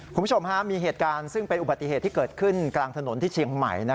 คุณผู้ชมมีเหตุการณ์ซึ่งเป็นอุบัติเหตุที่เกิดขึ้นกลางถนนที่เชียงใหม่